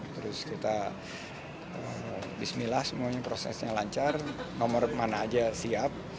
terus kita bismillah semuanya prosesnya lancar nomor mana aja siap